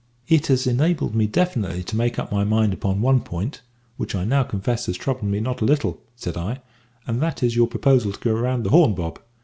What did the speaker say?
"It has enabled me definitely to make up my mind upon one point, which I will now confess has troubled me not a little," said I, "and that is your proposal to go round the `Horn,' Bob.